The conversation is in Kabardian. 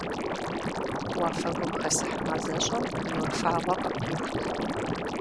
Уафэгум хэсыхь мазэщӀэм нур фагъуэ къыпихут.